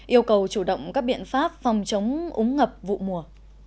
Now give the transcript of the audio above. yêu cầu chủ động các biện pháp phòng chống úng ngập vụ mùa